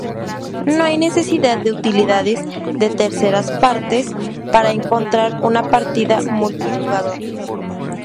No hay necesidad de utilidades de terceras partes para encontrar una partida multijugador.